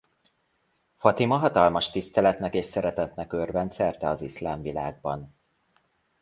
Fatima hatalmas tiszteletnek és szeretetnek örvend szerte az iszlám világban.